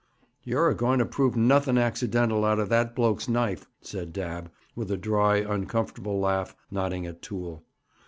'You're a going to prove nothing accidental out of that bloke's knife,' said Dabb, with a dry, uncomfortable laugh, nodding at Toole.